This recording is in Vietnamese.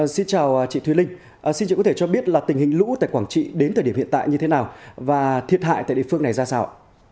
xin chào chị thúy linh xin chị có thể cho biết là tình hình lũ tại quảng trị đến thời điểm hiện tại như thế nào và thiệt hại tại địa phương này ra sao ạ